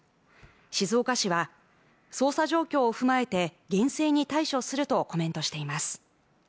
静岡市は捜査状況を踏まえて厳正に対処するとコメントしています